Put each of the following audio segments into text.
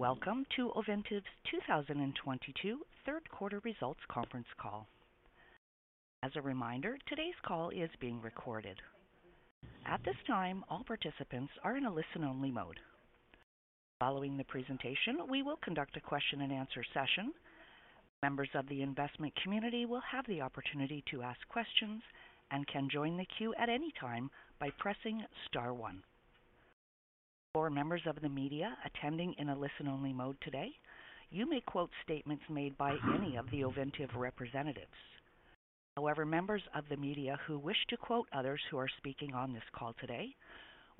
Welcome to Ovintiv's 2022 third quarter results conference call. As a reminder, today's call is being recorded. At this time, all participants are in a listen-only mode. Following the presentation, we will conduct a question-and-answer session. Members of the investment community will have the opportunity to ask questions and can join the queue at any time by pressing star one. For members of the media attending in a listen-only mode today, you may quote statements made by any of the Ovintiv representatives. However, members of the media who wish to quote others who are speaking on this call today,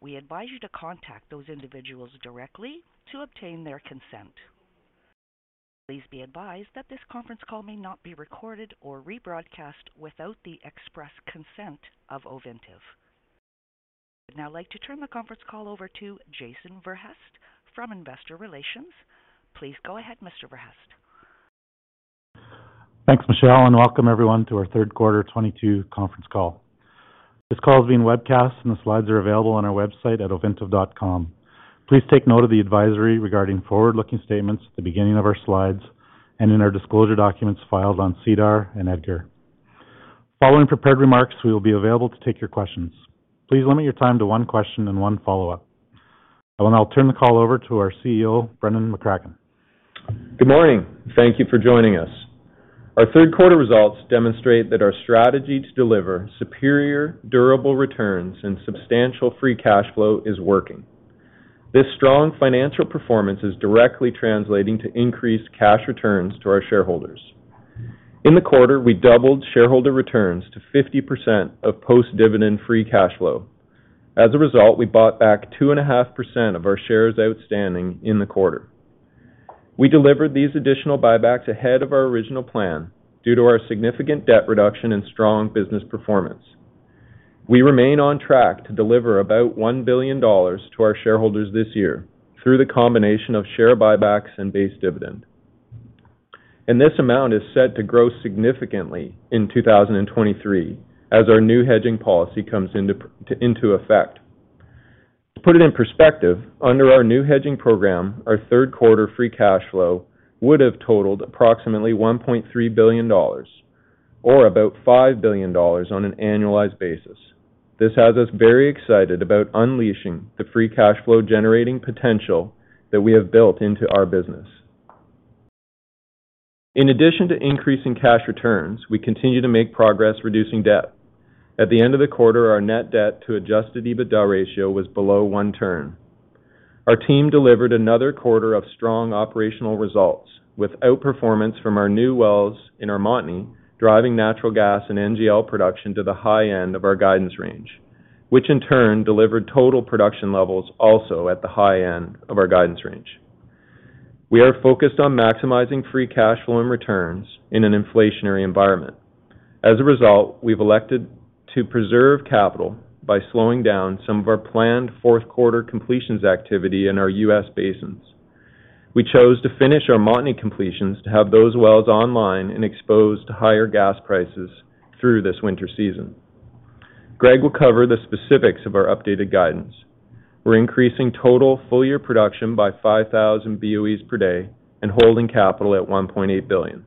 we advise you to contact those individuals directly to obtain their consent. Please be advised that this conference call may not be recorded or rebroadcast without the express consent of Ovintiv. I'd now like to turn the conference call over to Jason Verhaest from Investor Relations. Please go ahead, Mr. Verhaest. Thanks, Michelle, and welcome everyone to our third quarter 2022 conference call. This call is being webcast and the slides are available on our website at ovintiv.com. Please take note of the advisory regarding forward-looking statements at the beginning of our slides and in our disclosure documents filed on SEDAR and EDGAR. Following prepared remarks, we will be available to take your questions. Please limit your time to one question and one follow-up. I will now turn the call over to our CEO, Brendan McCracken. Good morning. Thank you for joining us. Our third quarter results demonstrate that our strategy to deliver superior durable returns and substantial free cash flow is working. This strong financial performance is directly translating to increased cash returns to our shareholders. In the quarter, we doubled shareholder returns to 50% of post-dividend free cash flow. As a result, we bought back 2.5% of our shares outstanding in the quarter. We delivered these additional buybacks ahead of our original plan due to our significant debt reduction and strong business performance. We remain on track to deliver about $1 billion to our shareholders this year through the combination of share buybacks and base dividend. This amount is set to grow significantly in 2023 as our new hedging policy comes into effect. To put it in perspective, under our new hedging program, our third quarter free cash flow would have totaled approximately $1.3 billion or about $5 billion on an annualized basis. This has us very excited about unleashing the free cash flow generating potential that we have built into our business. In addition to increasing cash returns, we continue to make progress reducing debt. At the end of the quarter, our net debt to adjusted EBITDA ratio was below one turn. Our team delivered another quarter of strong operational results with outperformance from our new wells in Montney, driving natural gas and NGL production to the high end of our guidance range, which in turn delivered total production levels also at the high end of our guidance range. We are focused on maximizing free cash flow and returns in an inflationary environment. As a result, we've elected to preserve capital by slowing down some of our planned fourth quarter completions activity in our U.S. basins. We chose to finish our Montney completions to have those wells online and exposed to higher gas prices through this winter season. Greg will cover the specifics of our updated guidance. We're increasing total full-year production by 5,000 BOE per day and holding capital at $1.8 billion.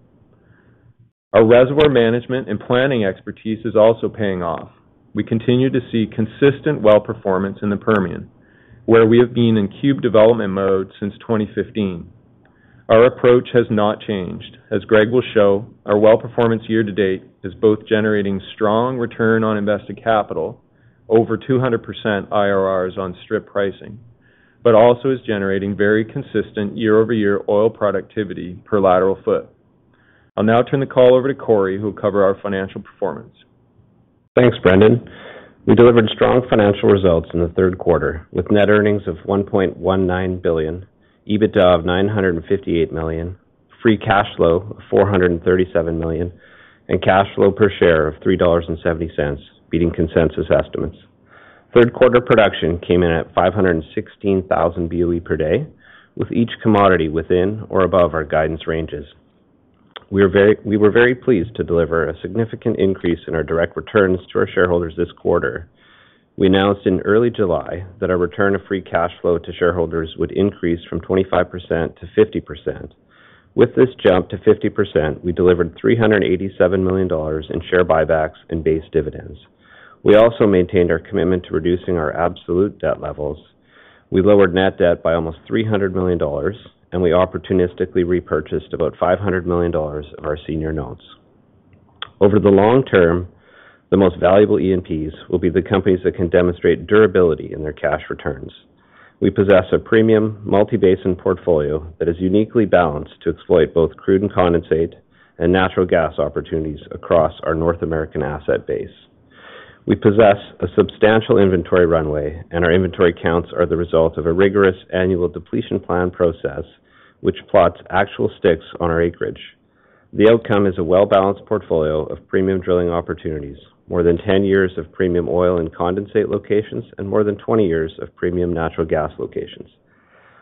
Our reservoir management and planning expertise is also paying off. We continue to see consistent well performance in the Permian, where we have been in cube development mode since 2015. Our approach has not changed. As Greg will show, our well performance year-to-date is both generating strong return on invested capital, over 200% IRRs on strip pricing, but also is generating very consistent year-over-year oil productivity per lateral foot. I'll now turn the call over to Corey, who will cover our financial performance. Thanks, Brendan. We delivered strong financial results in the third quarter, with net earnings of $1.19 billion, EBITDA of $958 million, free cash flow of $437 million, and cash flow per share of $3.70, beating consensus estimates. Third quarter production came in at 516,000 BOE per day, with each commodity within or above our guidance ranges. We were very pleased to deliver a significant increase in our direct returns to our shareholders this quarter. We announced in early July that our return of free cash flow to shareholders would increase from 25%-50%. With this jump to 50%, we delivered $387 million in share buybacks and base dividends. We also maintained our commitment to reducing our absolute debt levels. We lowered net debt by almost $300 million, and we opportunistically repurchased about $500 million of our senior notes. Over the long term, the most valuable E&Ps will be the companies that can demonstrate durability in their cash returns. We possess a premium multi-basin portfolio that is uniquely balanced to exploit both crude and condensate and natural gas opportunities across our North American asset base. We possess a substantial inventory runway, and our inventory counts are the result of a rigorous annual depletion plan process, which plots actual sticks on our acreage. The outcome is a well-balanced portfolio of premium drilling opportunities, more than 10 years of premium oil and condensate locations, and more than 20 years of premium natural gas locations.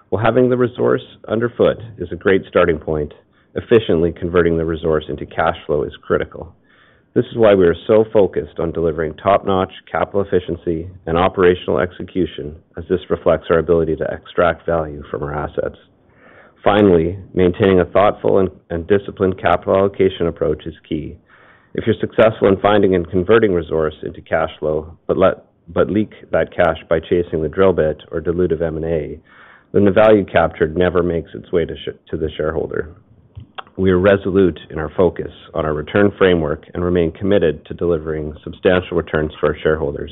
While having the resource underfoot is a great starting point. Efficiently converting the resource into cash flow is critical. This is why we are so focused on delivering top-notch capital efficiency and operational execution as this reflects our ability to extract value from our assets. Finally, maintaining a thoughtful and disciplined capital allocation approach is key. If you're successful in finding and converting resource into cash flow, but leak that cash by chasing the drill bit or dilutive M&A, then the value captured never makes its way to the shareholder. We are resolute in our focus on our return framework and remain committed to delivering substantial returns for our shareholders.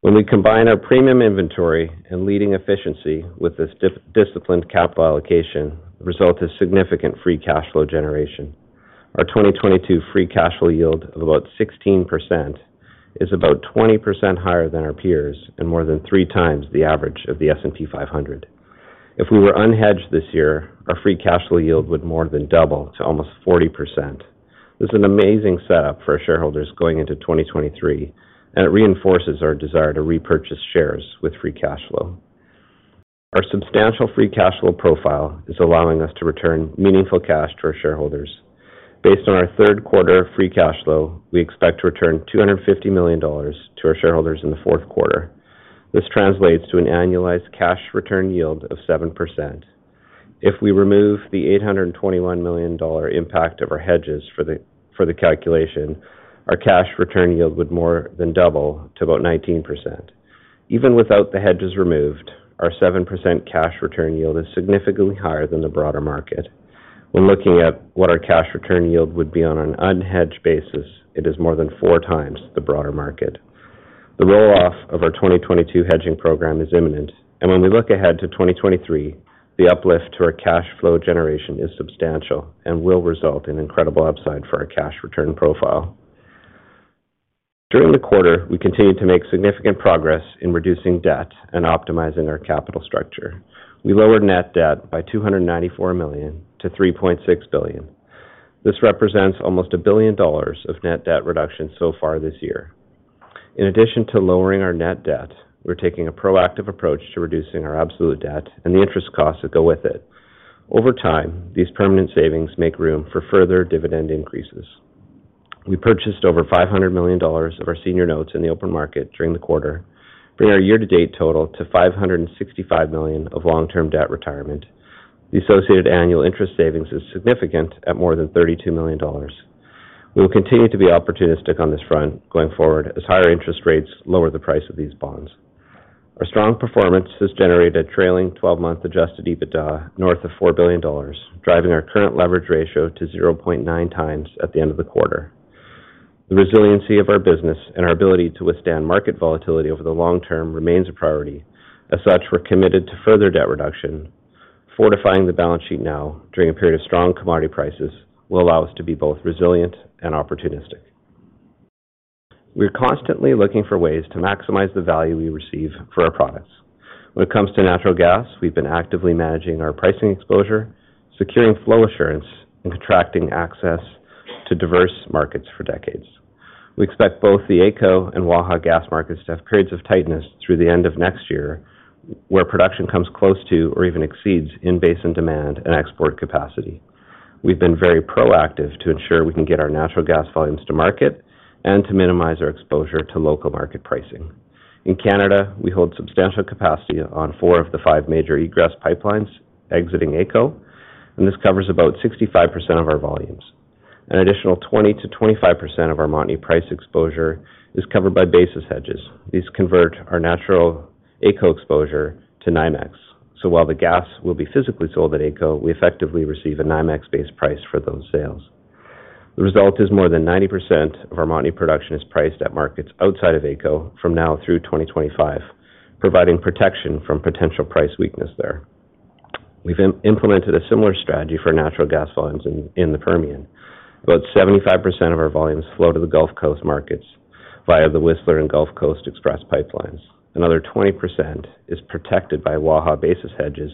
When we combine our premium inventory and leading efficiency with this disciplined capital allocation, the result is significant free cash flow generation. Our 2022 free cash flow yield of about 16% is about 20% higher than our peers and more than 3x the average of the S&P 500. If we were unhedged this year, our free cash flow yield would more than double to almost 40%. This is an amazing setup for our shareholders going into 2023, and it reinforces our desire to repurchase shares with free cash flow. Our substantial free cash flow profile is allowing us to return meaningful cash to our shareholders. Based on our third quarter free cash flow, we expect to return $250 million to our shareholders in the fourth quarter. This translates to an annualized cash return yield of 7%. If we remove the $821 million impact of our hedges for the calculation, our cash return yield would more than double to about 19%. Even without the hedges removed, our 7% cash return yield is significantly higher than the broader market. When looking at what our cash return yield would be on an unhedged basis, it is more than 4x the broader market. The roll-off of our 2022 hedging program is imminent, and when we look ahead to 2023, the uplift to our cash flow generation is substantial and will result in incredible upside for our cash return profile. During the quarter, we continued to make significant progress in reducing debt and optimizing our capital structure. We lowered net debt by $294 million to $3.6 billion. This represents almost $1 billion of net debt reduction so far this year. In addition to lowering our net debt, we're taking a proactive approach to reducing our absolute debt and the interest costs that go with it. Over time, these permanent savings make room for further dividend increases. We purchased over $500 million of our senior notes in the open market during the quarter, bringing our year-to-date total to $565 million of long-term debt retirement. The associated annual interest savings is significant at more than $32 million. We will continue to be opportunistic on this front going forward as higher interest rates lower the price of these bonds. Our strong performance has generated trailing twelve-month adjusted EBITDA north of $4 billion, driving our current leverage ratio to 0.9x at the end of the quarter. The resiliency of our business and our ability to withstand market volatility over the long term remains a priority. As such, we're committed to further debt reduction. Fortifying the balance sheet now during a period of strong commodity prices will allow us to be both resilient and opportunistic. We are constantly looking for ways to maximize the value we receive for our products. When it comes to natural gas, we've been actively managing our pricing exposure, securing flow assurance, and contracting access to diverse markets for decades. We expect both the AECO and Waha gas markets to have periods of tightness through the end of next year, where production comes close to or even exceeds in-basin demand and export capacity. We've been very proactive to ensure we can get our natural gas volumes to market and to minimize our exposure to local market pricing. In Canada, we hold substantial capacity on four of the five major egress pipelines exiting AECO, and this covers about 65% of our volumes. An additional 20%-25% of our Montney price exposure is covered by basis hedges. These convert our natural AECO exposure to NYMEX. While the gas will be physically sold at AECO, we effectively receive a NYMEX-based price for those sales. The result is more than 90% of our Montney production is priced at markets outside of AECO from now through 2025, providing protection from potential price weakness there. We've implemented a similar strategy for natural gas volumes in the Permian. About 75% of our volumes flow to the Gulf Coast markets via the Whistler and Gulf Coast Express pipelines. Another 20% is protected by Waha basis hedges,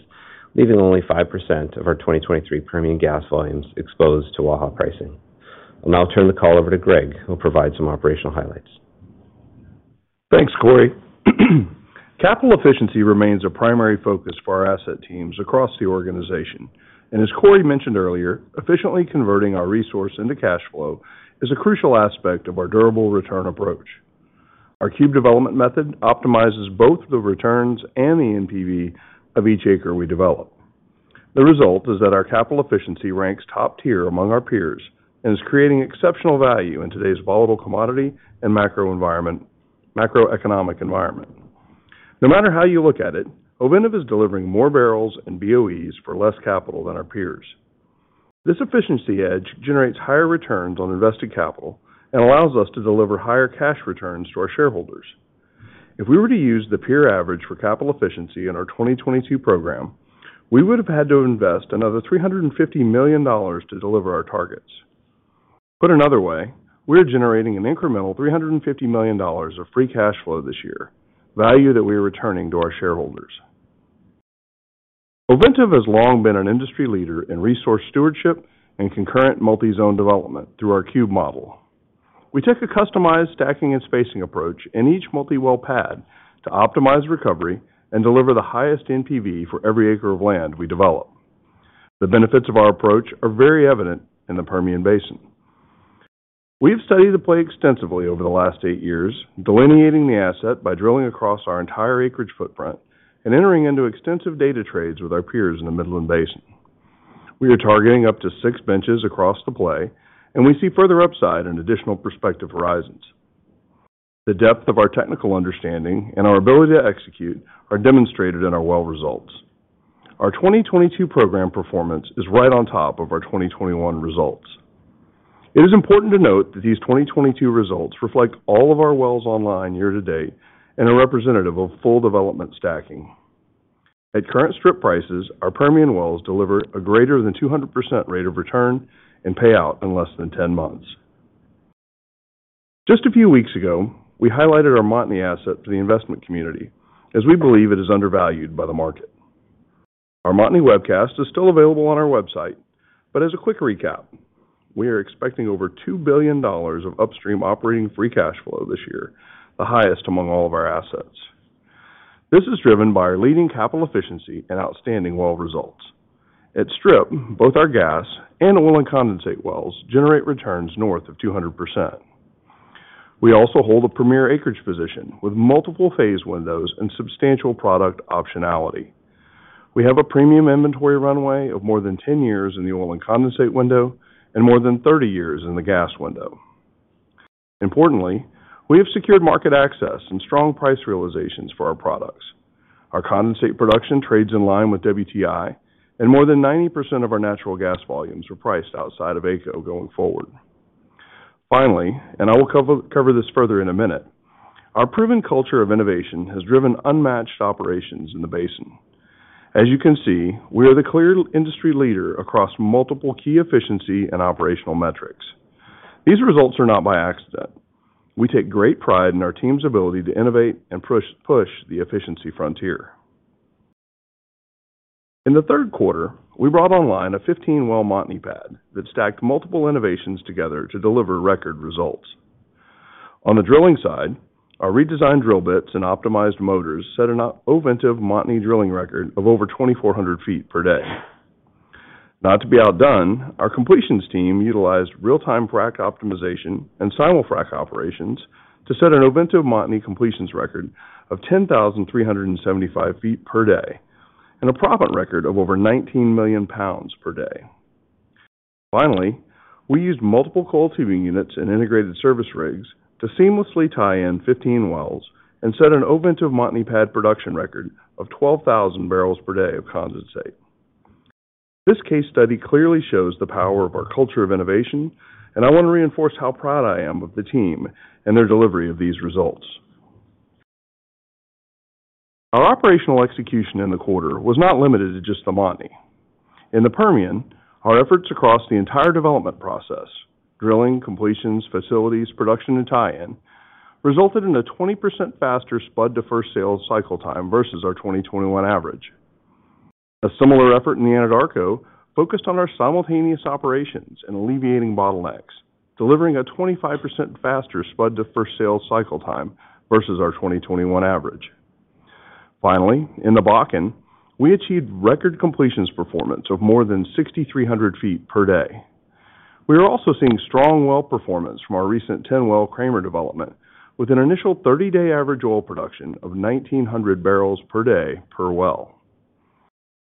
leaving only 5% of our 2023 Permian gas volumes exposed to Waha pricing. I'll now turn the call over to Greg, who will provide some operational highlights. Thanks, Corey. Capital efficiency remains a primary focus for our asset teams across the organization, and as Corey mentioned earlier, efficiently converting our resource into cash flow is a crucial aspect of our durable return approach. Our cube development method optimizes both the returns and the NPV of each acre we develop. The result is that our capital efficiency ranks top tier among our peers and is creating exceptional value in today's volatile commodity and macroeconomic environment. No matter how you look at it, Ovintiv is delivering more barrels and BOEs for less capital than our peers. This efficiency edge generates higher returns on invested capital and allows us to deliver higher cash returns to our shareholders. If we were to use the peer average for capital efficiency in our 2022 program, we would have had to invest another $350 million to deliver our targets. Put another way, we are generating an incremental $350 million of free cash flow this year, value that we are returning to our shareholders. Ovintiv has long been an industry leader in resource stewardship and concurrent multi-zone development through our cube model. We took a customized stacking and spacing approach in each multi-well pad to optimize recovery and deliver the highest NPV for every acre of land we develop. The benefits of our approach are very evident in the Permian Basin. We have studied the play extensively over the last eight years, delineating the asset by drilling across our entire acreage footprint and entering into extensive data trades with our peers in the Midland Basin. We are targeting up to six benches across the play, and we see further upside in additional prospective horizons. The depth of our technical understanding and our ability to execute are demonstrated in our well results. Our 2022 program performance is right on top of our 2021 results. It is important to note that these 2022 results reflect all of our wells online year to date and are representative of full development stacking. At current strip prices, our Permian wells deliver a greater than 200% rate of return and payout in less than 10 months. Just a few weeks ago, we highlighted our Montney asset to the investment community as we believe it is undervalued by the market. Our Montney webcast is still available on our website, but as a quick recap, we are expecting over $2 billion of upstream operating free cash flow this year, the highest among all of our assets. This is driven by our leading capital efficiency and outstanding well results. At strip, both our gas and oil and condensate wells generate returns north of 200%. We also hold a premier acreage position with multiple phase windows and substantial product optionality. We have a premium inventory runway of more than 10 years in the oil and condensate window and more than 30 years in the gas window. Importantly, we have secured market access and strong price realizations for our products. Our condensate production trades in line with WTI and more than 90% of our natural gas volumes are priced outside of AECO going forward. Finally, I will cover this further in a minute, our proven culture of innovation has driven unmatched operations in the basin. As you can see, we are the clear industry leader across multiple key efficiency and operational metrics. These results are not by accident. We take great pride in our team's ability to innovate and push the efficiency frontier. In the third quarter, we brought online a 15-well Montney pad that stacked multiple innovations together to deliver record results. On the drilling side, our redesigned drill bits and optimized motors set an Ovintiv Montney drilling record of over 2,400 ft per day. Not to be outdone, our completions team utilized real-time frac optimization and simul-frac operations to set an Ovintiv Montney completions record of 10,375 ft per day and a proppant record of over 19 million pounds per day. Finally, we used multiple coiled tubing units and integrated service rigs to seamlessly tie in 15 wells and set an Ovintiv Montney pad production record of 12,000 bbl per day of condensate. This case study clearly shows the power of our culture of innovation, and I want to reinforce how proud I am of the team and their delivery of these results. Our operational execution in the quarter was not limited to just the Montney. In the Permian, our efforts across the entire development process, drilling, completions, facilities, production, and tie-in, resulted in a 20% faster spud to first sale cycle time versus our 2021 average. A similar effort in the Anadarko focused on our simultaneous operations and alleviating bottlenecks, delivering a 25% faster spud to first sale cycle time versus our 2021 average. Finally, in the Bakken, we achieved record completions performance of more than 6,300 ft per day. We are also seeing strong well performance from our recent 10-well Kramer development with an initial 30-day average oil production of 1,900 bbl per day per well.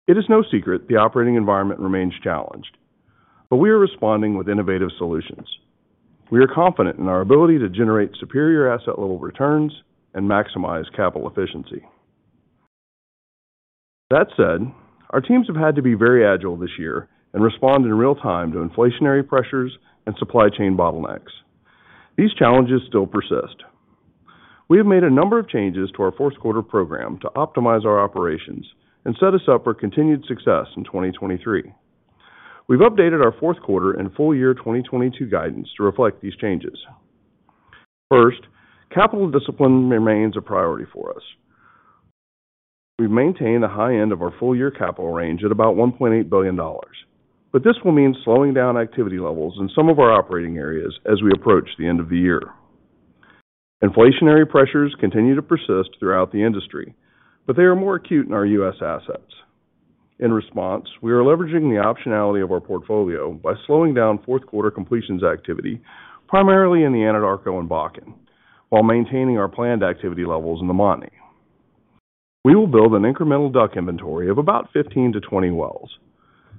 It is no secret the operating environment remains challenged, but we are responding with innovative solutions. We are confident in our ability to generate superior asset level returns and maximize capital efficiency. That said, our teams have had to be very agile this year and respond in real time to inflationary pressures and supply chain bottlenecks. These challenges still persist. We have made a number of changes to our fourth quarter program to optimize our operations and set us up for continued success in 2023. We've updated our fourth quarter and full year 2022 guidance to reflect these changes. First, capital discipline remains a priority for us. We maintain the high end of our full year capital range at about $1.8 billion. This will mean slowing down activity levels in some of our operating areas as we approach the end of the year. Inflationary pressures continue to persist throughout the industry, but they are more acute in our U.S. assets. In response, we are leveraging the optionality of our portfolio by slowing down fourth quarter completions activity, primarily in the Anadarko and Bakken, while maintaining our planned activity levels in the Montney. We will build an incremental DUC inventory of about 15-20 wells.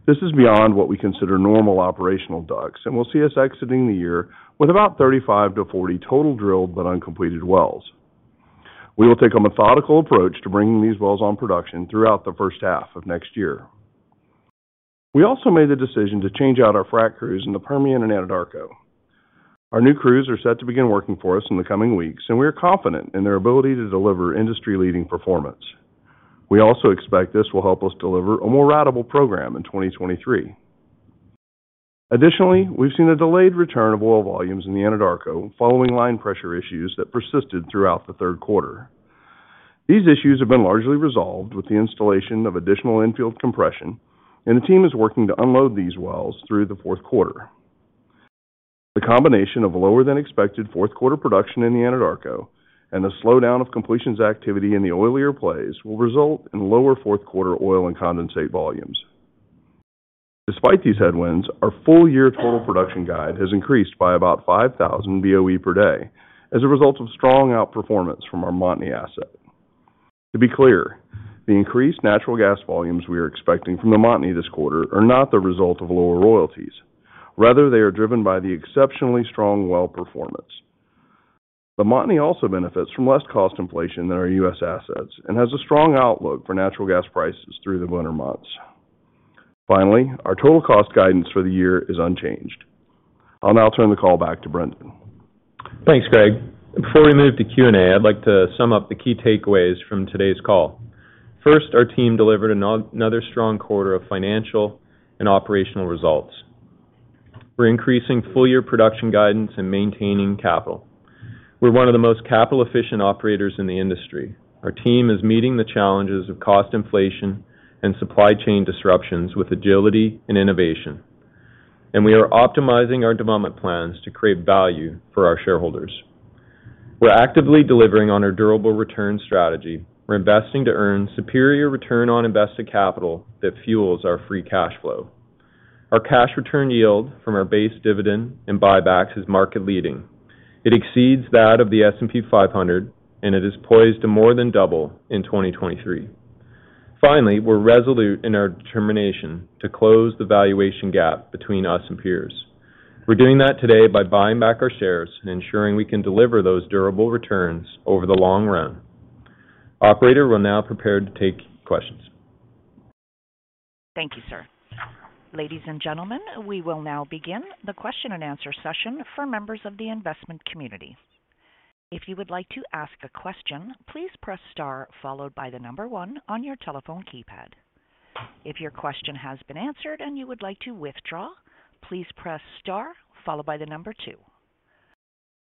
This is beyond what we consider normal operational DUCs, and we'll see us exiting the year with about 35-40 total drilled but uncompleted wells. We will take a methodical approach to bringing these wells on production throughout the first half of next year. We also made the decision to change out our frac crews in the Permian and Anadarko. Our new crews are set to begin working for us in the coming weeks, and we are confident in their ability to deliver industry-leading performance. We also expect this will help us deliver a more ratable program in 2023. Additionally, we've seen a delayed return of oil volumes in the Anadarko following line pressure issues that persisted throughout the third quarter. These issues have been largely resolved with the installation of additional infield compression, and the team is working to unload these wells through the fourth quarter. The combination of lower than expected fourth quarter production in the Anadarko and the slowdown of completions activity in the oilier plays will result in lower fourth quarter oil and condensate volumes. Despite these headwinds, our full-year total production guide has increased by about 5,000 BOE per day as a result of strong outperformance from our Montney asset. To be clear, the increased natural gas volumes we are expecting from the Montney this quarter are not the result of lower royalties. Rather, they are driven by the exceptionally strong well performance. The Montney also benefits from less cost inflation than our U.S. assets and has a strong outlook for natural gas prices through the winter months. Finally, our total cost guidance for the year is unchanged. I'll now turn the call back to Brendan. Thanks, Greg. Before we move to Q&A, I'd like to sum up the key takeaways from today's call. First, our team delivered another strong quarter of financial and operational results. We're increasing full-year production guidance and maintaining capital. We're one of the most capital-efficient operators in the industry. Our team is meeting the challenges of cost inflation and supply chain disruptions with agility and innovation, and we are optimizing our development plans to create value for our shareholders. We're actively delivering on our durable return strategy. We're investing to earn superior return on invested capital that fuels our free cash flow. Our cash return yield from our base dividend and buybacks is market leading. It exceeds that of the S&P 500, and it is poised to more than double in 2023. Finally, we're resolute in our determination to close the valuation gap between us and peers. We're doing that today by buying back our shares and ensuring we can deliver those durable returns over the long run. Operator, we're now prepared to take questions. Thank you, sir. Ladies and gentlemen, we will now begin the question-and-answer session for members of the investment community. If you would like to ask a question, please press star followed by the number one on your telephone keypad. If your question has been answered and you would like to withdraw, please press star followed by the number two.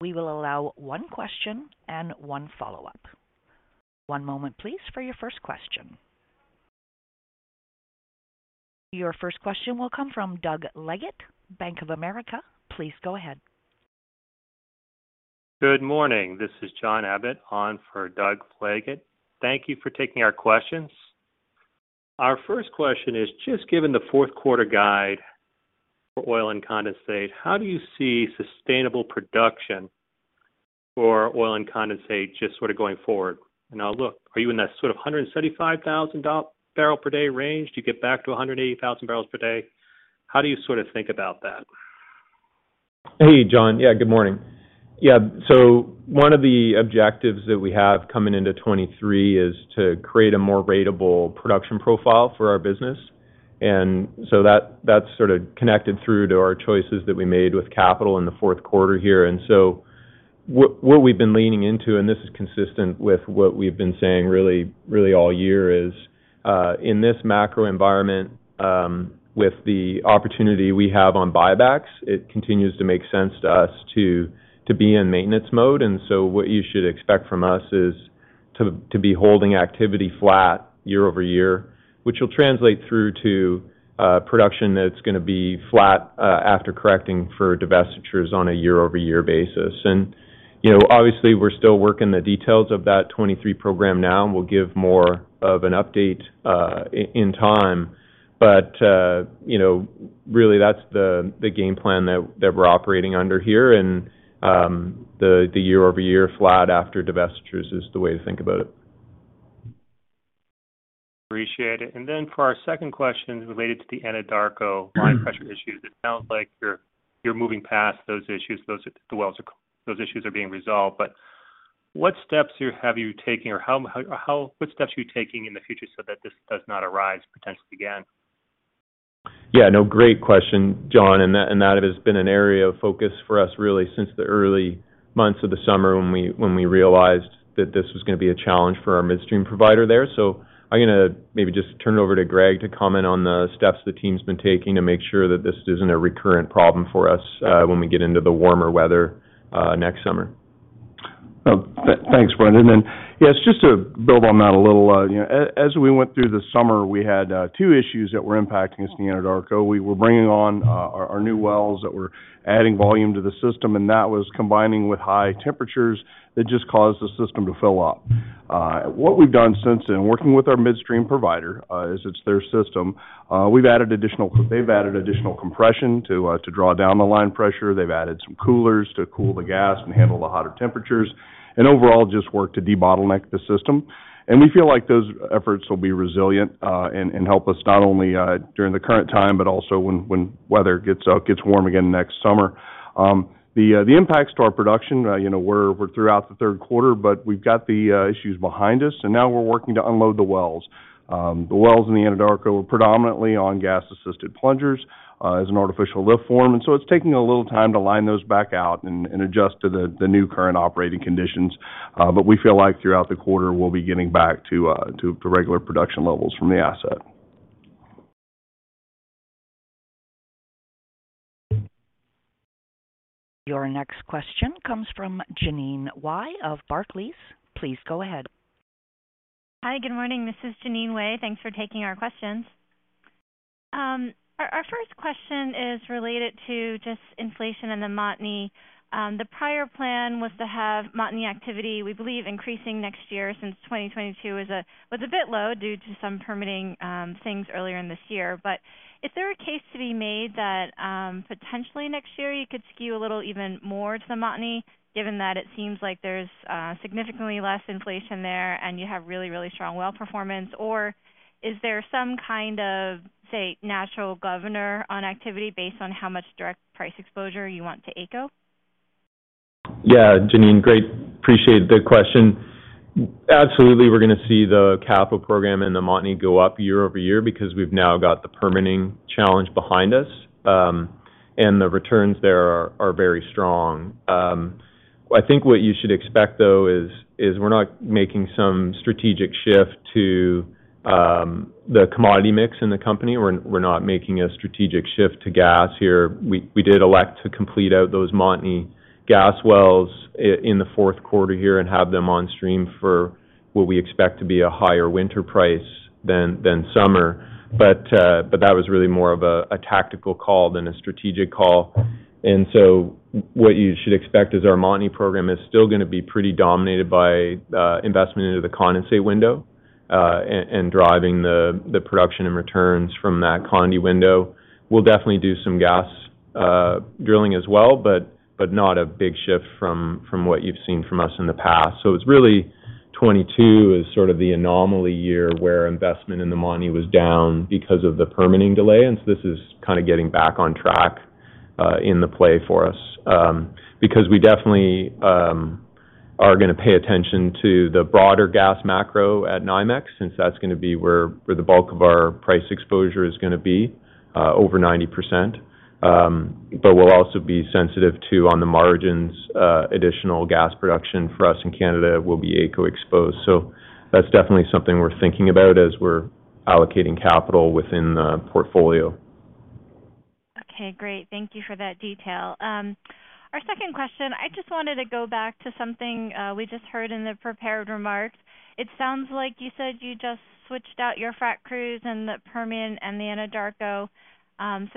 We will allow one question and one follow-up. One moment please, for your first question. Your first question will come from Doug Leggate, Bank of America. Please go ahead. Good morning. This is John Abbott on for Doug Leggate. Thank you for taking our questions. Our first question is, just given the fourth quarter guide for oil and condensate, how do you see sustainable production for oil and condensate just sort of going forward? Now look, are you in that sort of 175,000 bbl per day range? Do you get back to a 180,000 bbl per day? How do you sort of think about that? Hey, John. Good morning. One of the objectives that we have coming into 2023 is to create a more ratable production profile for our business. That's sort of connected through to our choices that we made with capital in the fourth quarter here. What we've been leaning into, and this is consistent with what we've been saying really all year, is in this macro environment, with the opportunity we have on buybacks, it continues to make sense to us to be in maintenance mode. What you should expect from us is to be holding activity flat year-over-year, which will translate through to production that's gonna be flat after correcting for divestitures on a year-over-year basis. You know, obviously, we're still working the details of that 2023 program now, and we'll give more of an update in time. You know, really, that's the game plan that we're operating under here. The year-over-year flat after divestitures is the way to think about it. Appreciate it. For our second question related to the Anadarko line pressure issues, it sounds like you're moving past those issues. Those issues are being resolved. What steps have you taken or what steps are you taking in the future so that this does not arise potentially again? Yeah. No, great question, John, and that has been an area of focus for us really since the early months of the summer when we realized that this was gonna be a challenge for our midstream provider there. So I'm gonna maybe just turn it over to Greg to comment on the steps the team's been taking to make sure that this isn't a recurrent problem for us, when we get into the warmer weather, next summer. Thanks, Brendan. Yeah, it's just to build on that a little. You know, as we went through the summer, we had two issues that were impacting us in the Anadarko. We were bringing on our new wells that were adding volume to the system, and that was combining with high temperatures that just caused the system to fill up. What we've done since then, working with our midstream provider, as it's their system, they've added additional compression to draw down the line pressure. They've added some coolers to cool the gas and handle the hotter temperatures and overall just work to debottleneck the system. We feel like those efforts will be resilient, and help us not only during the current time, but also when weather gets warm again next summer. The impacts to our production, you know, were throughout the third quarter, but we've got the issues behind us, and now we're working to unload the wells. The wells in the Anadarko were predominantly on gas-assisted plungers as an artificial lift form. It's taking a little time to line those back out and adjust to the new current operating conditions. But we feel like throughout the quarter we'll be getting back to regular production levels from the asset. Your next question comes from Jeanine Wai of Barclays. Please go ahead. Hi, good morning. This is Jeanine Wai. Thanks for taking our questions. Our first question is related to just inflation in the Montney. The prior plan was to have Montney activity, we believe, increasing next year since 2022 was a bit low due to some permitting things earlier in this year. Is there a case to be made that potentially next year you could skew a little even more to the Montney, given that it seems like there's significantly less inflation there and you have really, really strong well performance? Or is there some kind of, say, natural governor on activity based on how much direct price exposure you want to AECO? Yeah. Jeanine, great. Appreciate it. Good question. Absolutely, we're gonna see the capital program in the Montney go up year-over-year because we've now got the permitting challenge behind us, and the returns there are very strong. I think what you should expect, though, is we're not making some strategic shift to the commodity mix in the company. We're not making a strategic shift to gas here. We did elect to complete out those Montney gas wells in the fourth quarter here and have them on stream for what we expect to be a higher winter price than summer. That was really more of a tactical call than a strategic call. What you should expect is our Montney program is still gonna be pretty dominated by investment into the condensate window and driving the production and returns from that condensate window. We'll definitely do some gas drilling as well, but not a big shift from what you've seen from us in the past. It's really 2022 is sort of the anomaly year where investment in the Montney was down because of the permitting delay, and this is kinda getting back on track in the play for us. Because we definitely are gonna pay attention to the broader gas macro at NYMEX since that's gonna be where the bulk of our price exposure is gonna be over 90%. We'll also be sensitive to on the margins. Additional gas production for us in Canada will be AECO exposed. That's definitely something we're thinking about as we're allocating capital within the portfolio. Okay. Great. Thank you for that detail. Our second question, I just wanted to go back to something we just heard in the prepared remarks. It sounds like you said you just switched out your frac crews in the Permian and the Anadarko.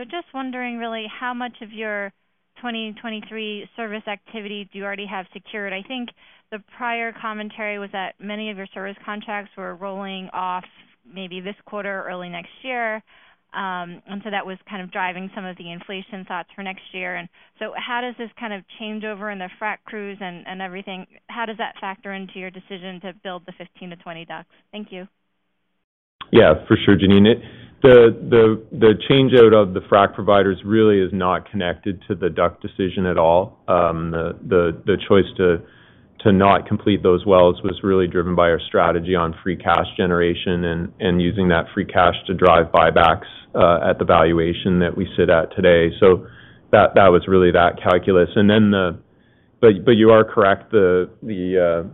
Just wondering really how much of your 2023 service activity do you already have secured? I think the prior commentary was that many of your service contracts were rolling off maybe this quarter or early next year. That was kind of driving some of the inflation thoughts for next year. How does this kind of changeover in the frac crews and everything factor into your decision to build the 15-20 DUCs? Thank you. Yeah, for sure, Jeanine. The change out of the frac providers really is not connected to the DUC decision at all. The choice to not complete those wells was really driven by our strategy on free cash generation and using that free cash to drive buybacks at the valuation that we sit at today. That was really that calculus. You are correct. The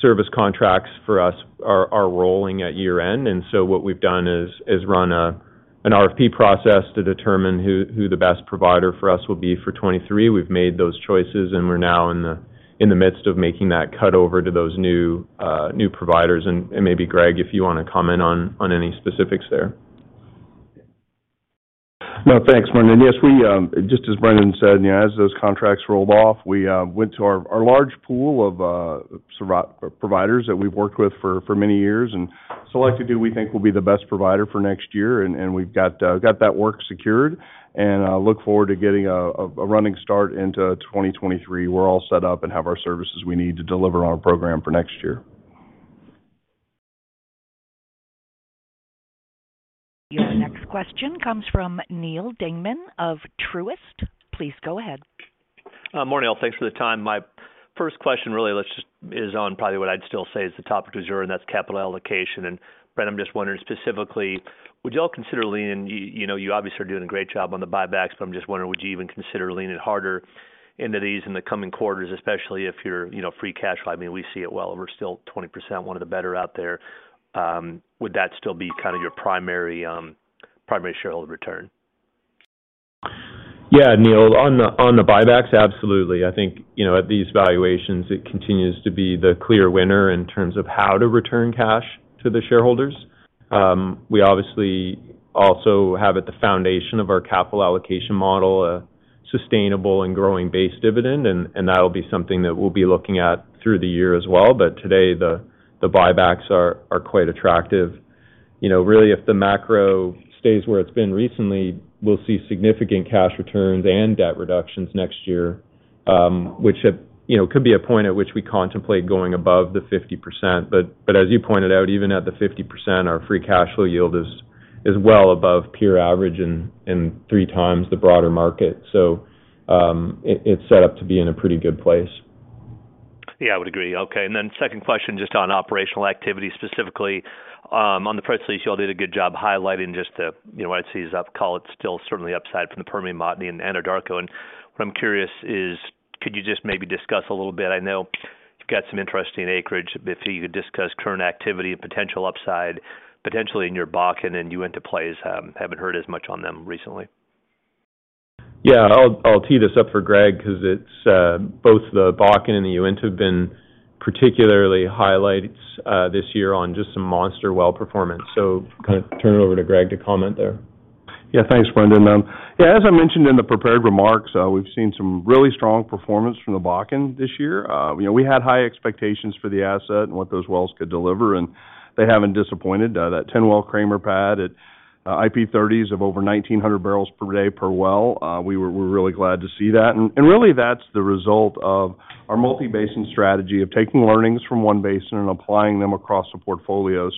service contracts for us are rolling at year-end, and so what we've done is run an RFP process to determine who the best provider for us will be for 2023. We've made those choices, and we're now in the midst of making that cut over to those new providers. Maybe, Greg, if you wanna comment on any specifics there. No, thanks, Brendan. Yes, we just as Brendan said, you know, as those contracts rolled off, we went to our large pool of providers that we've worked with for many years and selected who we think will be the best provider for next year. We've got that work secured, and look forward to getting a running start into 2023. We're all set up and have our services we need to deliver on our program for next year. Your next question comes from Neal Dingmann of Truist. Please go ahead. Morning, all. Thanks for the time. My first question is on probably what I'd still say is the topic du jour, and that's capital allocation. Brendan, I'm just wondering specifically, would y'all consider leaning you know, you obviously are doing a great job on the buybacks, but I'm just wondering, would you even consider leaning harder into these in the coming quarters, especially if your, you know, free cash flow, I mean, we see it well over still 20%, one of the better out there. Would that still be kind of your primary shareholder return? Yeah, Neal. On the buybacks, absolutely. I think, you know, at these valuations, it continues to be the clear winner in terms of how to return cash to the shareholders. We obviously also have at the foundation of our capital allocation model a sustainable and growing base dividend, and that'll be something that we'll be looking at through the year as well. Today the buybacks are quite attractive. You know, really, if the macro stays where it's been recently, we'll see significant cash returns and debt reductions next year, which, you know, could be a point at which we contemplate going above the 50%. As you pointed out, even at the 50%, our free cash flow yield is well above peer average and 3x the broader market. It's set up to be in a pretty good place. Yeah, I would agree. Okay. Second question just on operational activity, specifically, on the press release, y'all did a good job highlighting just the, you know, what I'd see as upside. It's still certainly upside from the Permian Montney and Anadarko. What I'm curious is Could you just maybe discuss a little bit? I know you've got some interesting acreage. If you could discuss current activity and potential upside, potentially in your Bakken and Uinta plays. Haven't heard as much on them recently. Yeah. I'll tee this up for Greg because it's both the Bakken and the Uinta have been particularly highlights this year on just some monster well performance. Kind of turn it over to Greg to comment there. Yeah. Thanks, Brendan. Yeah, as I mentioned in the prepared remarks, we've seen some really strong performance from the Bakken this year. You know, we had high expectations for the asset and what those wells could deliver, and they haven't disappointed. That 10-well Kramer pad at IP 30s of over 1,900 bbl per day per well, we're really glad to see that. Really that's the result of our multi-basin strategy of taking learnings from one basin and applying them across the portfolio.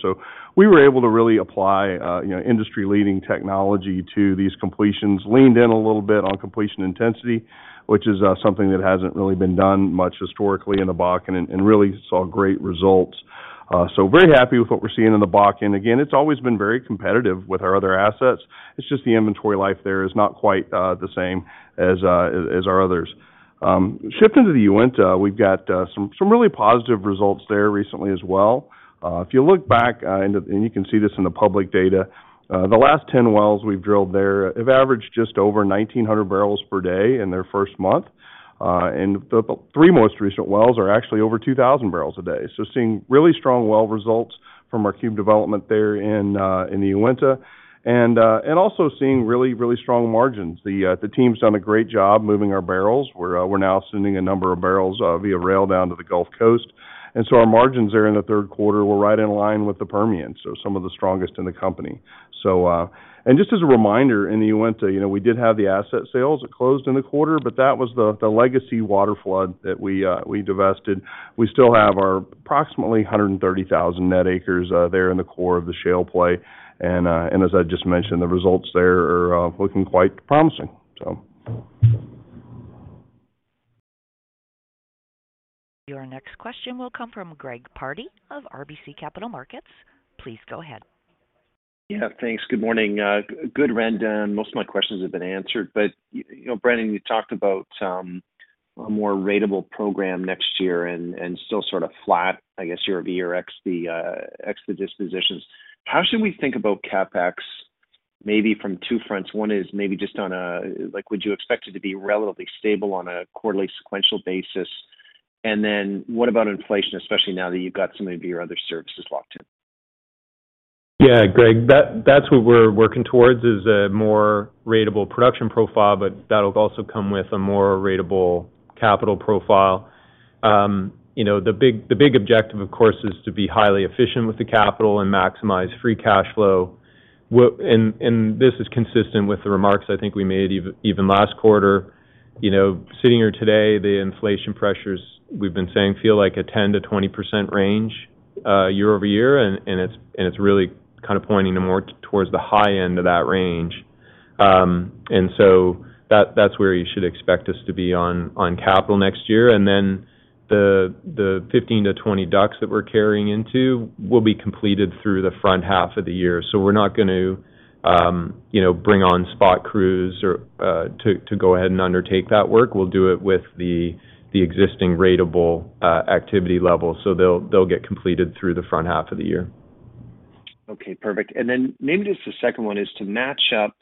We were able to really apply, you know, industry-leading technology to these completions. Leaned in a little bit on completion intensity, which is something that hasn't really been done much historically in the Bakken and really saw great results. Very happy with what we're seeing in the Bakken. Again, it's always been very competitive with our other assets. It's just the inventory life there is not quite the same as our others. Shifting to the Uinta, we've got some really positive results there recently as well. If you look back and you can see this in the public data, the last 10 wells we've drilled there have averaged just over 1,900 bbl per day in their first month. The three most recent wells are actually over 2,000 bbl a day. Seeing really strong well results from our cube development there in the Uinta. Also seeing really strong margins. The team's done a great job moving our barrels. We're now sending a number of barrels via rail down to the Gulf Coast. Our margins there in the third quarter were right in line with the Permian, so some of the strongest in the company. Just as a reminder, in the Uinta, you know, we did have the asset sales that closed in the quarter, but that was the legacy water flood that we divested. We still have our approximately 130,000 net acres there in the core of the shale play. As I just mentioned, the results there are looking quite promising. Your next question will come from Greg Pardy of RBC Capital Markets. Please go ahead. Yeah. Thanks. Good morning. Good rundown. Most of my questions have been answered. You know, Brendan, you talked about a more ratable program next year and still sort of flat, I guess, year-over-year ex the dispositions. How should we think about CapEx maybe from two fronts? One is maybe just like, would you expect it to be relatively stable on a quarterly sequential basis? And then what about inflation, especially now that you've got some of your other services locked in? Yeah, Greg, that's what we're working towards is a more ratable production profile, but that'll also come with a more ratable capital profile. You know, the big objective, of course, is to be highly efficient with the capital and maximize free cash flow. This is consistent with the remarks I think we made even last quarter. You know, sitting here today, the inflation pressures we've been saying feel like a 10%-20% range, year-over-year, and it's really kind of pointing more towards the high end of that range. That's where you should expect us to be on capital next year. The 15-20 DUCs that we're carrying into will be completed through the front half of the year. We're not going to, you know, bring on spot crews or to go ahead and undertake that work. We'll do it with the existing ratable activity level. They'll get completed through the front half of the year. Okay, perfect. Maybe just the second one is to match up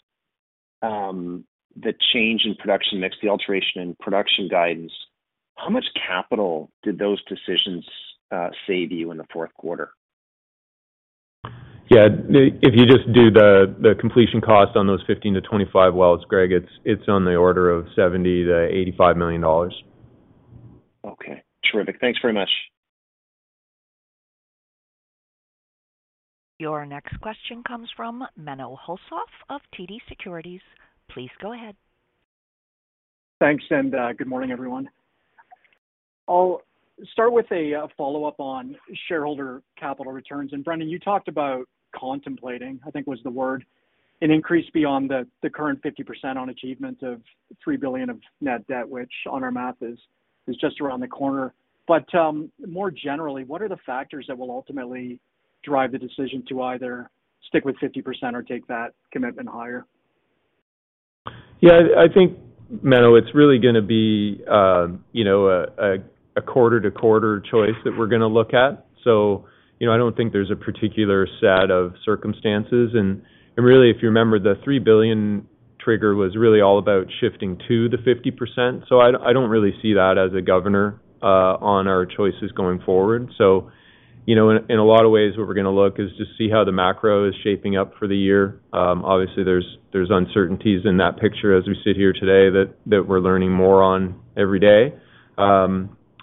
the change in production mix, the alteration in production guidance. How much capital did those decisions save you in the fourth quarter? Yeah. If you just do the completion cost on those 15-25 wells, Greg, it's on the order of $70 million-$85 million. Okay, terrific. Thanks very much. Your next question comes from Menno Hulshof of TD Securities. Please go ahead. Thanks, good morning, everyone. I'll start with a follow-up on shareholder capital returns. Brendan, you talked about contemplating, I think was the word, an increase beyond the current 50% on achievement of $3 billion of net debt, which on our math is just around the corner. More generally, what are the factors that will ultimately drive the decision to either stick with 50% or take that commitment higher? Yeah. I think, Menno, it's really gonna be, you know, a quarter-to-quarter choice that we're gonna look at. You know, I don't think there's a particular set of circumstances. Really, if you remember, the $3 billion trigger was really all about shifting to the 50%. I don't really see that as a governor on our choices going forward. You know, in a lot of ways, what we're gonna look at is just to see how the macro is shaping up for the year. Obviously, there's uncertainties in that picture as we sit here today that we're learning more on every day.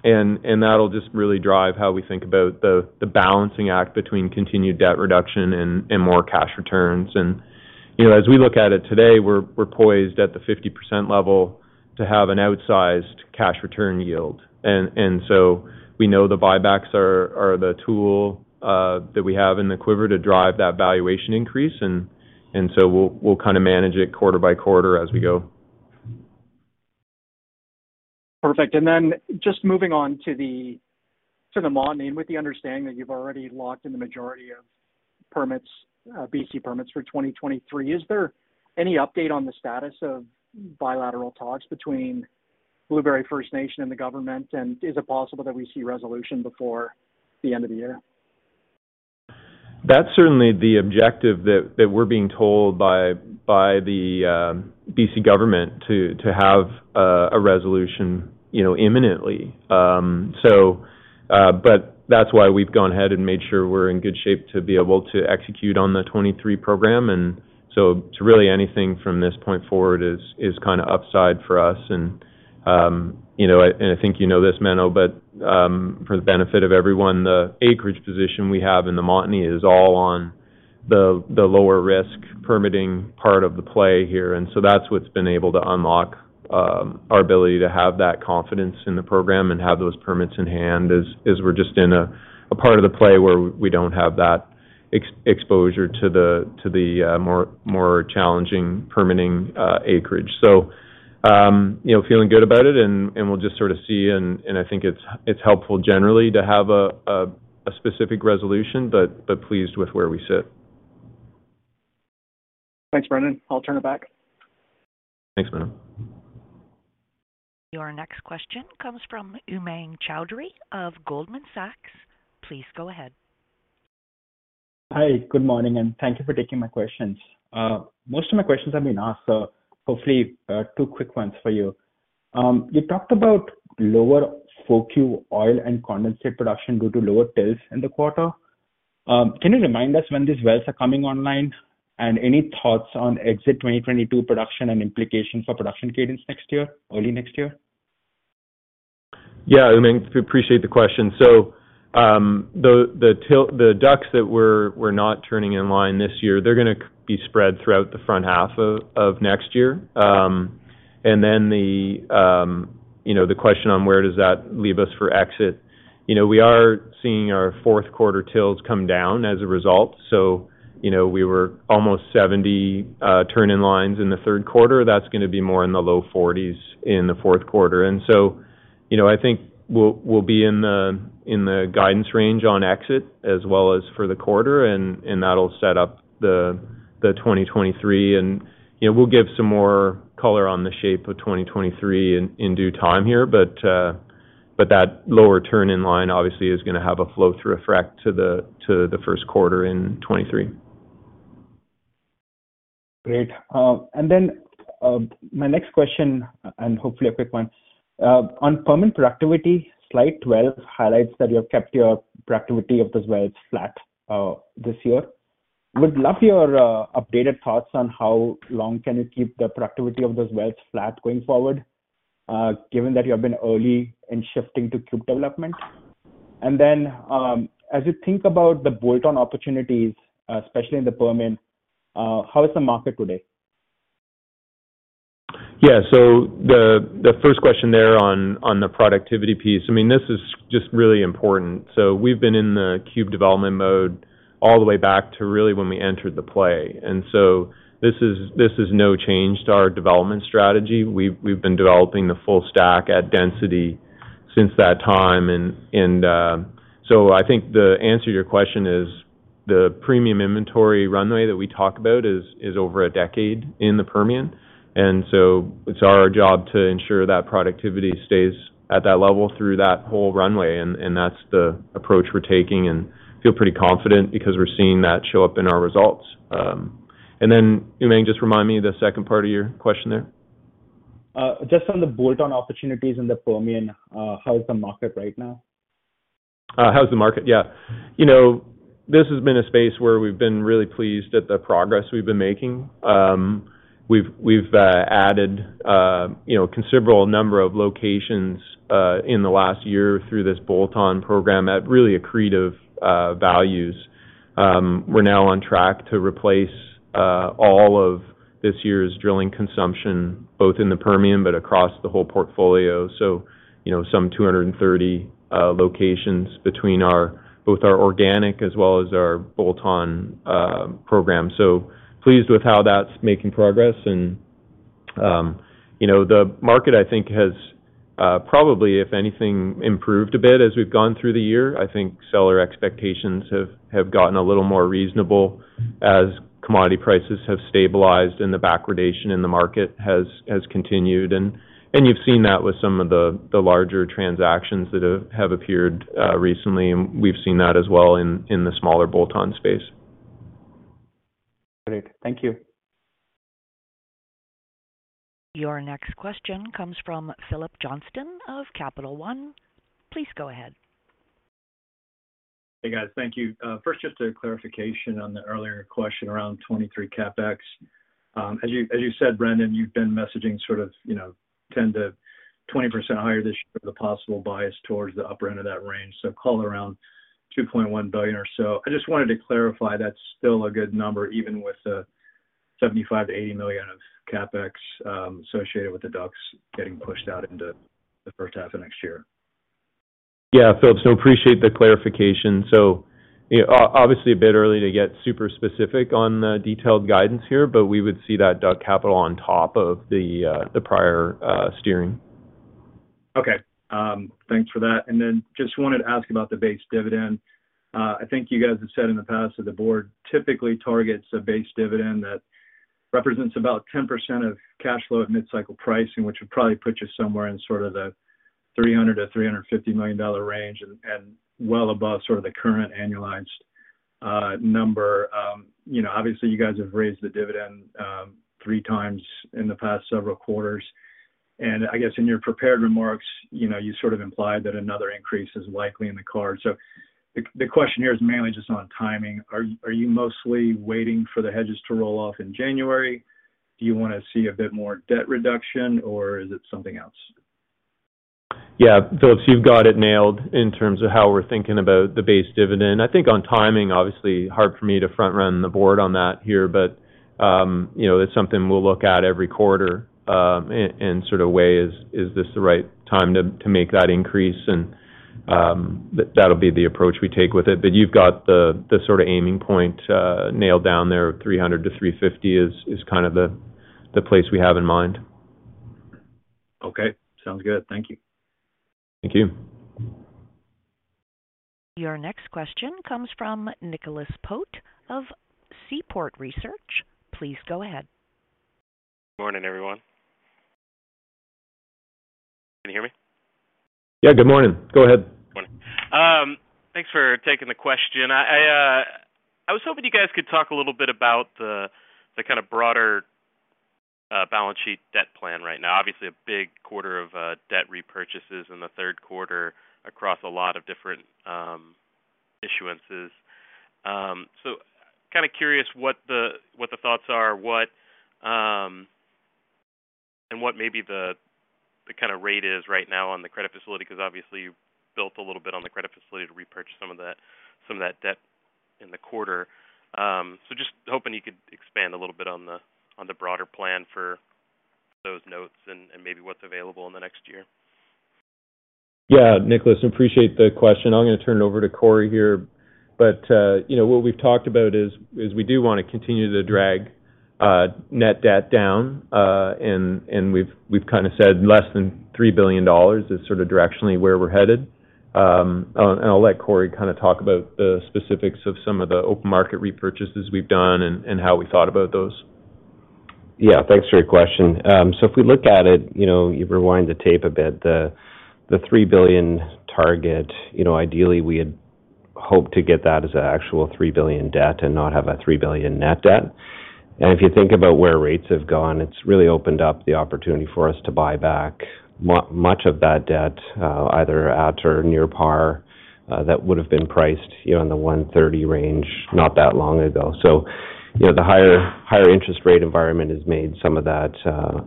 That'll just really drive how we think about the balancing act between continued debt reduction and more cash returns. You know, as we look at it today, we're poised at the 50% level to have an outsized cash return yield. We know the buybacks are the tool that we have in the quiver to drive that valuation increase. We'll kind of manage it quarter by quarter as we go. Perfect. Just moving on to the. To the Montney, with the understanding that you've already locked in the majority of permits, BC permits for 2023. Is there any update on the status of bilateral talks between Blueberry River First Nations and the government? Is it possible that we see resolution before the end of the year? That's certainly the objective that we're being told by the BC government to have a resolution, you know, imminently. That's why we've gone ahead and made sure we're in good shape to be able to execute on the 2023 program. Truly anything from this point forward is kinda upside for us. You know, and I think you know this, Menno, but for the benefit of everyone, the acreage position we have in the Montney is all on the lower risk permitting part of the play here. That's what's been able to unlock our ability to have that confidence in the program and have those permits in hand, is we're just in a part of the play where we don't have that exposure to the more challenging permitting acreage. You know, feeling good about it, and we'll just sort of see. I think it's helpful generally to have a specific resolution, but pleased with where we sit. Thanks, Brendan. I'll turn it back. Thanks, Menno. Your next question comes from Umang Choudhary of Goldman Sachs. Please go ahead. Hi. Good morning, and thank you for taking my questions. Most of my questions have been asked, so hopefully, two quick ones for you. You talked about lower 4Q oil and condensate production due to lower TILs in the quarter. Can you remind us when these wells are coming online? Any thoughts on exit 2022 production and implications for production cadence next year, early next year? Yeah, Umang, appreciate the question. The TILs, the DUCs that we're not turning in line this year, they're gonna be spread throughout the front half of next year. The question on where does that leave us for exit? You know, we are seeing our fourth quarter TILs come down as a result. You know, we were almost 70 turn-in lines in the third quarter. That's gonna be more in the low 40s in the fourth quarter. You know, I think we'll be in the guidance range on exit as well as for the quarter, and that'll set up the 2023. You know, we'll give some more color on the shape of 2023 in due time here, but that lower turn-in line obviously is gonna have a flow-through effect to the first quarter in 2023. Great. My next question, and hopefully a quick one. On Permian productivity, slide 12 highlights that you have kept your productivity of those wells flat this year. Would love your updated thoughts on how long can you keep the productivity of those wells flat going forward, given that you have been early in shifting to cube development. As you think about the bolt-on opportunities, especially in the Permian, how is the market today? The first question there on the productivity piece, I mean, this is just really important. We've been in the cube development mode all the way back to really when we entered the play. This is no change to our development strategy. We've been developing the full stack at density since that time. I think the answer to your question is the premium inventory runway that we talk about is over a decade in the Permian. It's our job to ensure that productivity stays at that level through that whole runway, and that's the approach we're taking, and feel pretty confident because we're seeing that show up in our results. Umang, just remind me of the second part of your question there. Just on the bolt-on opportunities in the Permian, how is the market right now? How's the market? Yeah. You know, this has been a space where we've been really pleased at the progress we've been making. We've added, you know, a considerable number of locations in the last year through this bolt-on program at really accretive values. We're now on track to replace all of this year's drilling consumption, both in the Permian but across the whole portfolio. You know, some 230 locations between both our organic as well as our bolt-on program. Pleased with how that's making progress. You know, the market, I think, has probably, if anything, improved a bit as we've gone through the year. I think seller expectations have gotten a little more reasonable as commodity prices have stabilized and the backwardation in the market has continued. You've seen that with some of the larger transactions that have appeared recently, and we've seen that as well in the smaller bolt-on space. Great. Thank you. Your next question comes from Phillips Johnston of Capital One. Please go ahead. Hey, guys. Thank you. First, just a clarification on the earlier question around 2023 CapEx. As you said, Brendan, you've been messaging sort of, you know, 10%-20% higher this year with a possible bias towards the upper end of that range, so call it around $2.1 billion or so. I just wanted to clarify that's still a good number, even with the $75 million-$80 million of CapEx associated with the DUCs getting pushed out into the first half of next year. Yeah, Philips. Appreciate the clarification. You know, obviously, a bit early to get super specific on the detailed guidance here, but we would see that CapEx on top of the prior spending. Okay. Thanks for that. Just wanted to ask about the base dividend. I think you guys have said in the past that the board typically targets a base dividend that represents about 10% of cash flow at mid-cycle pricing, which would probably put you somewhere in sort of the $300 million-$350 million range and well above sort of the current annualized number. You know, obviously, you guys have raised the dividend 3x in the past several quarters. I guess in your prepared remarks, you know, you sort of implied that another increase is likely in the cards. The question here is mainly just on timing. Are you mostly waiting for the hedges to roll off in January? Do you wanna see a bit more debt reduction, or is it something else? Yeah. Phillips, you've got it nailed in terms of how we're thinking about the base dividend. I think on timing, obviously, hard for me to front-run the board on that here. You know, it's something we'll look at every quarter, and sort of weigh, is this the right time to make that increase? That'll be the approach we take with it. You've got the sort of aiming point nailed down there. 300-350 is kind of the place we have in mind. Okay. Sounds good. Thank you. Thank you. Your next question comes from Nicholas Pope of Seaport Research Partners. Please go ahead. Morning, everyone. Can you hear me? Yeah. Good morning. Go ahead. Morning. Thanks for taking the question. I was hoping you guys could talk a little bit about the kind of broader balance sheet debt plan right now. Obviously, a big quarter of debt repurchases in the third quarter across a lot of different issuances. So kinda curious what the thoughts are, and what maybe the kinda rate is right now on the credit facility, 'cause obviously you built a little bit on the credit facility to repurchase some of that debt in the quarter. So just hoping you could expand a little bit on the broader plan for those notes and maybe what's available in the next year. Yeah. Nicholas, appreciate the question. I'm gonna turn it over to Corey here. You know, what we've talked about is we do wanna continue to drag net debt down. We've kinda said less than $3 billion is sorta directionally where we're headed. I'll let Corey kinda talk about the specifics of some of the open market repurchases we've done and how we thought about those. Yeah. Thanks for your question. If we look at it, you know, you rewind the tape a bit, the $3 billion target, you know, ideally, we had hoped to get that as a actual $3 billion debt and not have a $3 billion net debt. If you think about where rates have gone, it's really opened up the opportunity for us to buy back much of that debt, either at or near par, that would've been priced, you know, in the 130 range not that long ago. You know, the higher interest rate environment has made some of that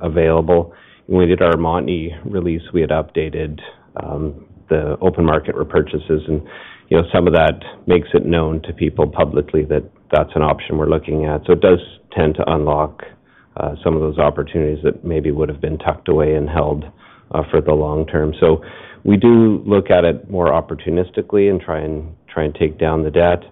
available. When we did our Montney release, we had updated the open market repurchases and, you know, some of that makes it known to people publicly that that's an option we're looking at. It does tend to unlock some of those opportunities that maybe would've been tucked away and held for the long term. We do look at it more opportunistically and try and take down the debt.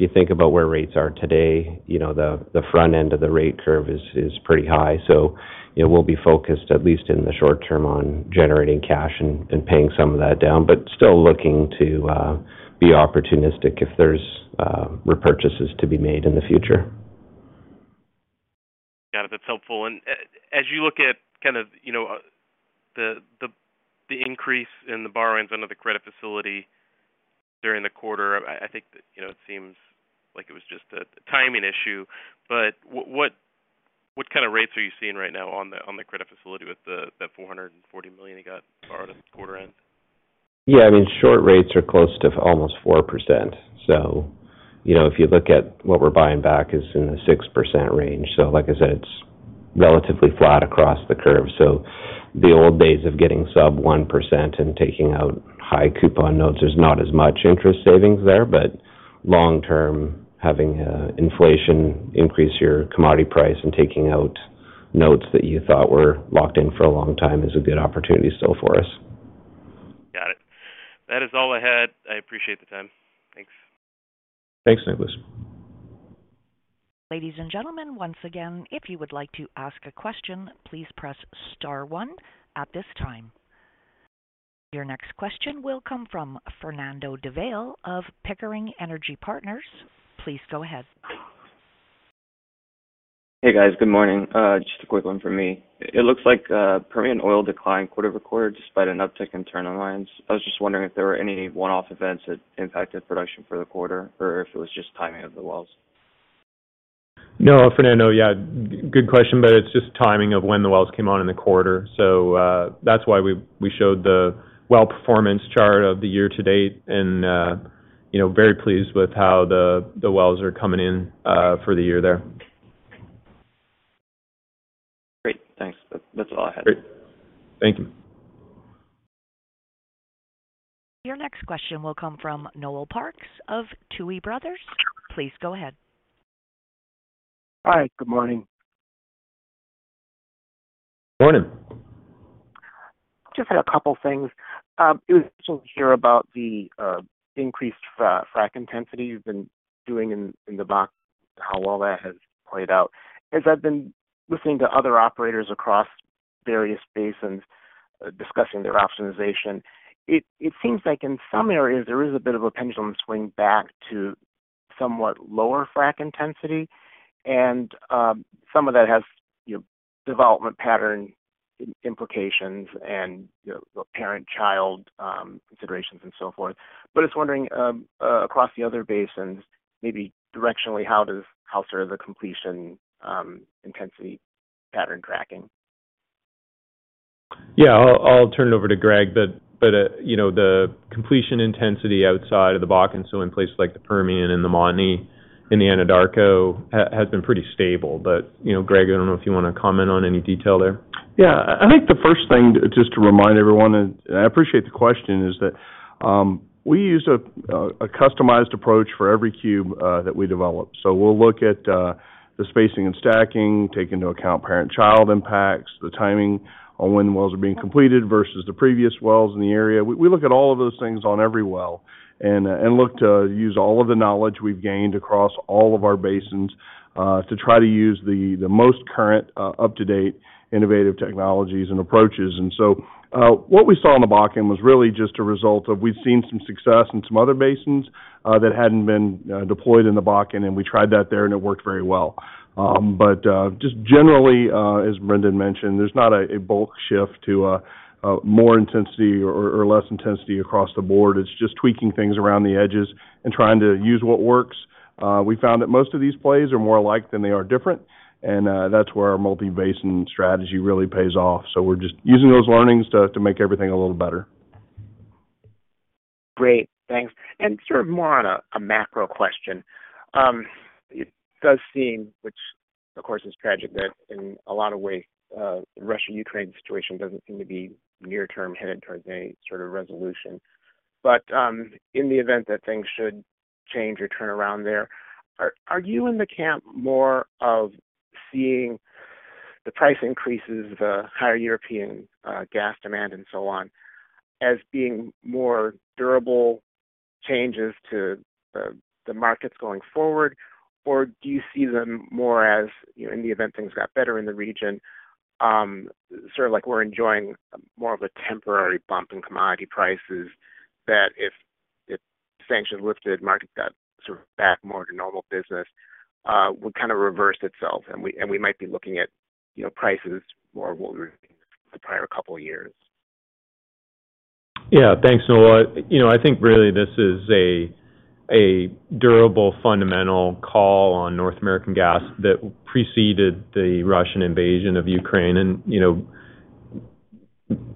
If you think about where rates are today, you know, the front end of the rate curve is pretty high. You know, we'll be focused at least in the short term on generating cash and paying some of that down. Still looking to be opportunistic if there's repurchases to be made in the future. Got it. That's helpful. As you look at kind of, you know, the increase in the borrowings under the credit facility during the quarter, I think that, you know, it seems like it was just a timing issue. What kind of rates are you seeing right now on the credit facility with the $440 million you got borrowed at quarter end? Yeah. I mean, short rates are close to almost 4%. You know, if you look at what we're buying back is in the 6% range. Like I said, it's relatively flat across the curve. The old days of getting sub 1% and taking out high coupon notes, there's not as much interest savings there. Long term, having inflation increase your commodity price and taking out notes that you thought were locked in for a long time is a good opportunity still for us. Got it. That is all I had. I appreciate the time. Thanks. Thanks, Nicholas. Ladies and gentlemen, once again, if you would like to ask a question, please press star one at this time. Your next question will come from Fernando Valle of Pickering Energy Partners. Please go ahead. Hey, guys. Good morning. Just a quick one from me. It looks like, Permian oil declined quarter-over-quarter despite an uptick in turnarounds. I was just wondering if there were any one-off events that impacted production for the quarter, or if it was just timing of the wells. No, Fernando. Yeah, good question, but it's just timing of when the wells came on in the quarter. That's why we showed the well performance chart of the year to date and, you know, very pleased with how the wells are coming in for the year there. Great. Thanks. That's all I had. Great. Thank you. Your next question will come from Noel Parks of Tuohy Brothers. Please go ahead. Hi. Good morning. Morning. Just had a couple things. It was interesting to hear about the increased frac intensity you've been doing in the Bakken, how well that has played out. As I've been listening to other operators across various basins discussing their optimization, it seems like in some areas, there is a bit of a pendulum swing back to somewhat lower frac intensity. Some of that has, you know, development pattern implications and, you know, parent-child considerations and so forth. I was wondering across the other basins, maybe directionally, how does the completion intensity pattern tracking? Yeah. I'll turn it over to Greg. You know, the completion intensity outside of the Bakken, so in places like the Permian and the Montney and the Anadarko has been pretty stable. You know, Greg, I don't know if you wanna comment on any detail there. Yeah. I think the first thing just to remind everyone, and I appreciate the question, is that we use a customized approach for every cube that we develop. We'll look at the spacing and stacking, take into account parent-child impacts, the timing on when wells are being completed versus the previous wells in the area. We look at all of those things on every well and look to use all of the knowledge we've gained across all of our basins to try to use the most current up-to-date, innovative technologies and approaches. What we saw in the Bakken was really just a result of we've seen some success in some other basins that hadn't been deployed in the Bakken, and we tried that there, and it worked very well. Just generally, as Brendan mentioned, there's not a bulk shift to more intensity or less intensity across the board. It's just tweaking things around the edges and trying to use what works. We found that most of these plays are more alike than they are different, and that's where our multi-basin strategy really pays off. We're just using those learnings to make everything a little better. Great. Thanks. Sort of more on a macro question. It does seem, which of course is tragic, that in a lot of ways, the Russia-Ukraine situation doesn't seem to be near-term headed towards any sort of resolution. In the event that things should change or turn around there, are you in the camp more of seeing the price increases, the higher European gas demand and so on, as being more durable changes to the markets going forward? Do you see them more as, you know, in the event things got better in the region, sort of like we're enjoying more of a temporary bump in commodity prices that if sanctions lifted, markets got sort of back more to normal business, would kind of reverse itself, and we might be looking at, you know, prices more what we were the prior couple years? Yeah. Thanks, Noel. You know, I think really this is a durable fundamental call on North American gas that preceded the Russian invasion of Ukraine. You know,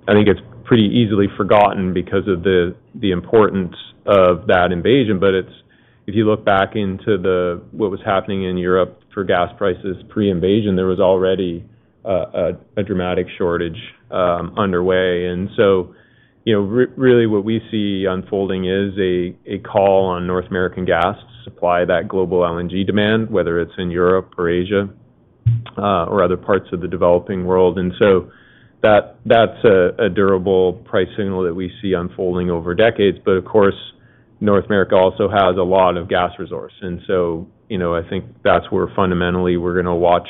I think it's pretty easily forgotten because of the importance of that invasion. It's. If you look back into what was happening in Europe for gas prices pre-invasion, there was already a dramatic shortage underway. You know, really what we see unfolding is a call on North American gas to supply that global LNG demand, whether it's in Europe or Asia or other parts of the developing world. That's a durable price signal that we see unfolding over decades. Of course, North America also has a lot of gas resource. You know, I think that's where fundamentally we're gonna watch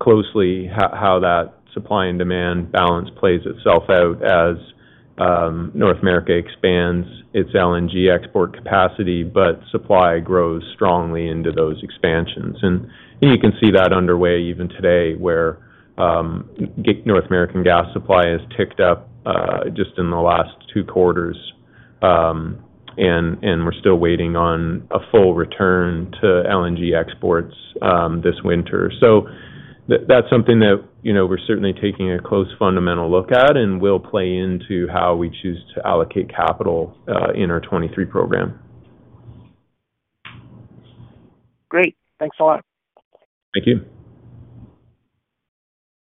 closely how that supply and demand balance plays itself out as North America expands its LNG export capacity, but supply grows strongly into those expansions. You can see that underway even today, where North American gas supply has ticked up just in the last two quarters, and we're still waiting on a full return to LNG exports this winter. That's something that, you know, we're certainly taking a close fundamental look at and will play into how we choose to allocate capital in our 2023 program. Great. Thanks a lot. Thank you.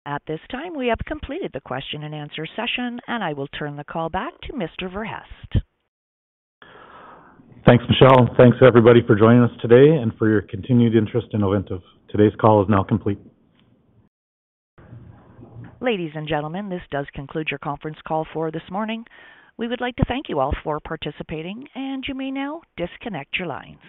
At this time, we have completed the question and answer session, and I will turn the call back to Mr. Verhaest. Thanks, Michelle. Thanks, everybody, for joining us today and for your continued interest in Ovintiv. Today's call is now complete. Ladies and gentlemen, this does conclude your conference call for this morning. We would like to thank you all for participating, and you may now disconnect your lines.